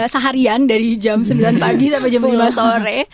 seharian dari jam sembilan pagi sampai jam lima sore